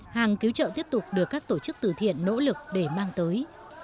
hàng cứu trợ tiếp tục được các tổ chức từ thiện nỗ lực để mang tới